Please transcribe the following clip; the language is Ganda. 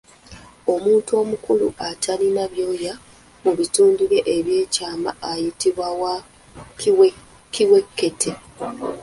Omuntu omukulu atalina byoya mu bitundu bye eby’ekyama ayitibwa wa kiwekete.